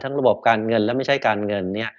ระบบการเงินและไม่ใช่การเงิน